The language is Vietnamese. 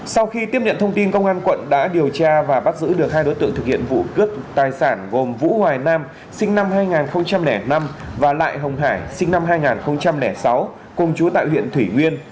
sau khi tiếp nhận thông tin công an quận đã điều tra và bắt giữ được hai đối tượng thực hiện vụ cướp tài sản gồm vũ hoài nam sinh năm hai nghìn năm và lại hồng hải sinh năm hai nghìn sáu cùng chú tại huyện thủy nguyên